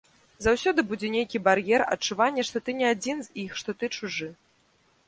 Заўсёды будзе нейкі бар'ер, адчуванне, што ты не адзін з іх, што ты чужы.